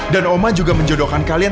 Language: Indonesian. dan oma juga menjodohkan kalian